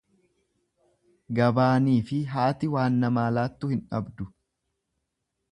Gabaanii fi haati waan namaa laattu hin dhabdu.